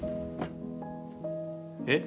えっ？